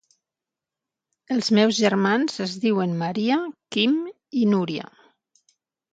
Els meus germans es diuen Maria, Quim i Núria.